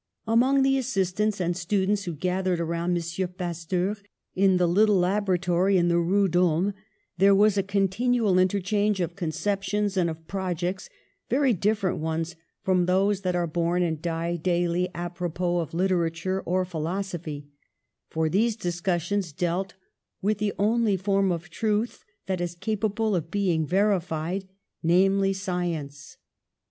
Among the assistants and students who gathered around M. Pasteur in the little laboratory in the Rue d'Ulm, there was a continual inter change of conceptions and of projects — very different ones from those that are born and die daily apropos of literature or philosophy, for these discussions dealt with the only form of truth that is capable of being verified, namely science."